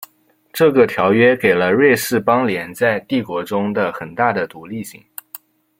这个条约给了瑞士邦联在帝国中的很大的独立性。